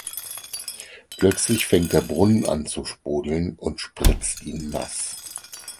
Plötzlich fängt der Brunnen an zu sprudeln und spritzt ihn nass.